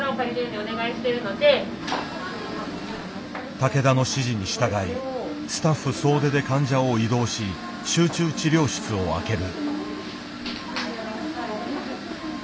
竹田の指示に従いスタッフ総出で患者を移動し集中治療室を空ける。